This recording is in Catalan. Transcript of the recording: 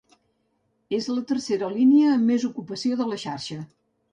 És la tercera línia amb més ocupació de la xarxa.